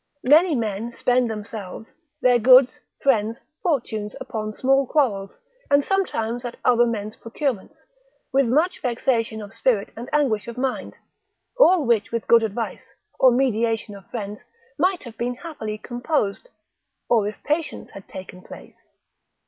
Many men spend themselves, their goods, friends, fortunes, upon small quarrels, and sometimes at other men's procurements, with much vexation of spirit and anguish of mind, all which with good advice, or mediation of friends, might have been happily composed, or if patience had taken place.